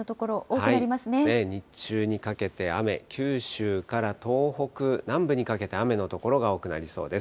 日中にかけて雨、九州から東北南部にかけて雨の所が多くなりそうです。